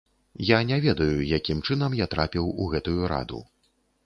Я не ведаю, якім чынам я трапіў у гэтую раду.